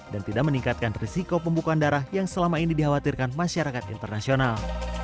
dan tidak meningkatkan risiko pembukaan darah yang selama ini dikhawatirkan masyarakat internasional